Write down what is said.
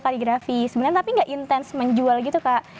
kaligrafi sebenarnya tapi nggak intens menjual gitu kak